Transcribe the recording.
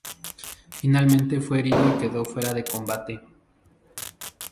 Finalmente, fue herido y quedó fuera de combate.